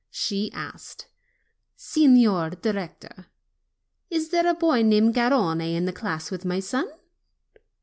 She asked : "Signor Director, is there a boy named Garrone in the class with my son?"